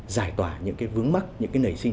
giải tỏa những vướng mắt những nảy sinh